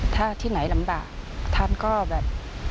ถ้าที่ไหนลำบากท่านก็แบบ